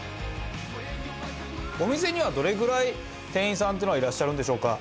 お店にはどれぐらい店員さんっていうのはいらっしゃるんでしょうか？